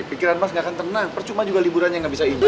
pikiran mas gak akan tenang percuma juga liburannya nggak bisa ibu